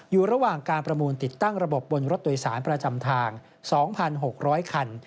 อยู่ระหว่างการประมูลติดตั้งระบบบนรถโดยสารประจำทาง๒๖๐๐คัน